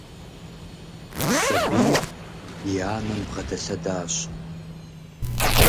Сабийр и анэм бгъэдэлъэдащ.